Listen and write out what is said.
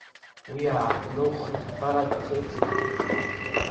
Уи ааҳәны ухы иҭаԥар, акаҭеиԥш?